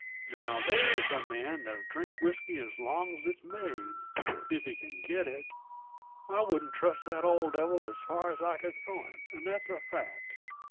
Now, there's a man that'll drink whisky as long as it's made, if he can get it. I wouldn't trust that old devil as far as I can throw him, and that's a fact.